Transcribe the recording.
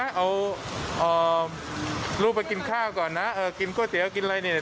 เอาเอ่อลูกไปกินข้าวก่อนน่ะเออกินก้นเดี๋ยวกินอะไรเนี้ย